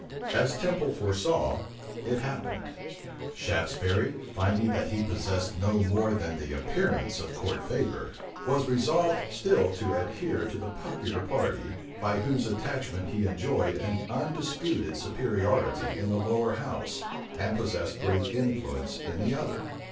As Temple foresaw, it happened. Shaftesbury, finding that he possessed no more than the appearance of court favor, was resolved still to adhere to the popular party, by whose attachment he enjoyed an undisputed superiority in the lower house, and possessed great influence in the other.